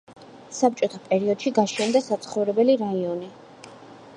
საბჭოთა პერიოდში გაშენდა საცხოვრებელი რაიონი.